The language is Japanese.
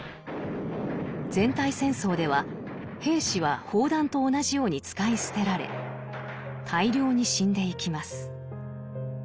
全体戦争では兵士は砲弾と同じように使い捨てられ大量に死んでいきます。